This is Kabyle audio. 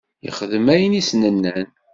Yexdem ayen i s-nnan.